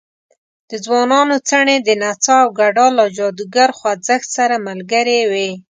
د ځوانانو څڼې د نڅا او ګډا له جادوګر خوځښت سره ملګرې وې.